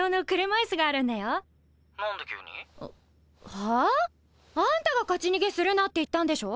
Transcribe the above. ハァ？あんたが「勝ち逃げするな！」って言ったんでしょ